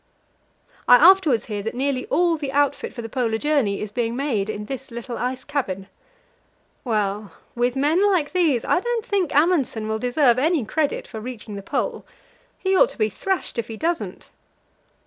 I afterwards hear that nearly all the outfit for the Polar journey is being made in this little ice cabin. Well, with men like these I don't think Amundsen will deserve any credit for reaching the Pole. He ought to be thrashed if he doesn't.